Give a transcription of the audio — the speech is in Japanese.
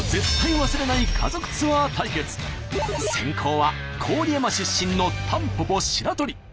先攻は郡山出身のたんぽぽ白鳥。